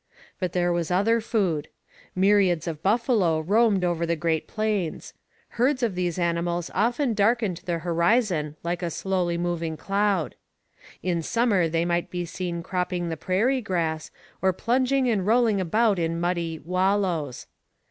But there was other food. Myriads of buffalo roamed over the Great Plains. Herds of these animals often darkened the horizon like a slowly moving cloud. In summer they might be seen cropping the prairie grass, or plunging and rolling about in muddy 'wallows.'